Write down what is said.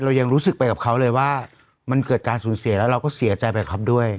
ยังรู้สึกไปกับเขาเลยว่ามันเกิดการสูญเสียแล้วเราก็เสียใจไปกับเขาด้วย